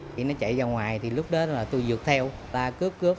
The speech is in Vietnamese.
thì nó chạy ra ngoài thì lúc đó là tôi dược theo ta cướp cướp